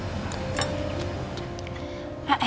semoga adi dapat kerjaan yang baik